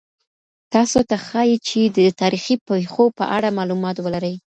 تاسو ته ښایي چي د تاریخي پېښو په اړه معلومات ولرئ.